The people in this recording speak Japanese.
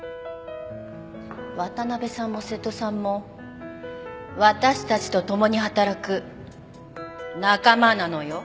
渡辺さんも瀬戸さんも私たちと共に働く仲間なのよ。